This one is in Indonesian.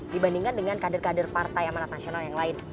dibandingkan dengan kader kader partai amanat nasional yang lain